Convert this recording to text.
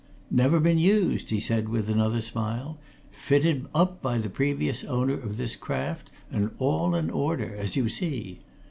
"Never been used," he said with another smile. "Fitted up by the previous owner of this craft, and all in order, as you see.